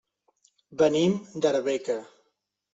Venim d'Arbeca.